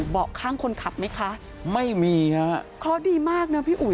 เบาะข้างคนขับไหมคะไม่มีฮะเคราะห์ดีมากนะพี่อุ๋